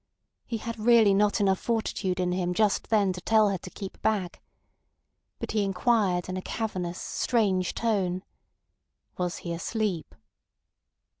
He had really not enough fortitude in him just then to tell her to keep back. But he inquired in a cavernous, strange tone: "Was he asleep?"